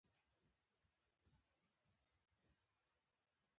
په رڼا کښېنه، تیاره مه خوښه وه.